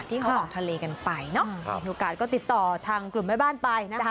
ที่เขาออกทะเลกันไปเนอะมีโอกาสก็ติดต่อทางกลุ่มแม่บ้านไปนะคะ